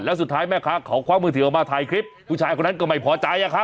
แล้วสุดท้ายแม่ค้าเขาคว้ามือถือออกมาถ่ายคลิปผู้ชายคนนั้นก็ไม่พอใจอะครับ